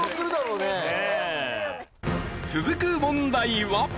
続く問題は。